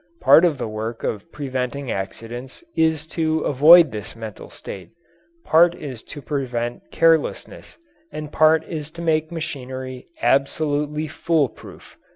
Part of the work of preventing accidents is to avoid this mental state; part is to prevent carelessness, and part is to make machinery absolutely fool proof.